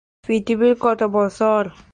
সঙ্গীত পরীক্ষা আমেরিকায় সবসময়ই জনপ্রিয়।